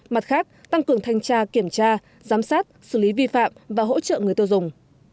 mặt khác tăng cường thanh tra kiểm tra giám sát xử lý vi phạm và hỗ trợ người tiêu dùng